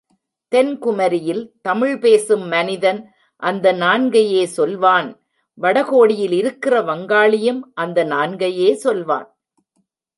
தென் குமரியில் தமிழ் பேசும் மனிதன் அந்த நான்கையே சொல்வான் வடகோடியில் இருக்கிற வங்காளியும் அந்த நான்கையே சொல்வான்.